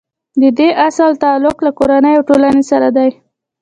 د دې اصل تعلق له کورنۍ او ټولنې سره دی.